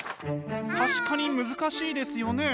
確かに難しいですよね。